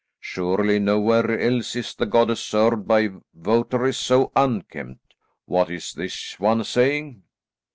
Surely nowhere else is the goddess served by votaries so unkempt. What is this one saying?"